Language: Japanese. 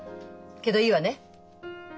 けどいいわね？